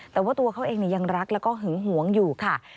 แต่ว่าตัวเขาเองยังรักแล้วก็หึงหวงอยู่ค่ะ